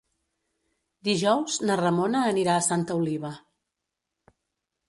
Dijous na Ramona anirà a Santa Oliva.